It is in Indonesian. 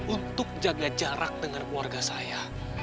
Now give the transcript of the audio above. untuk jaga jarak dengan keluarga saya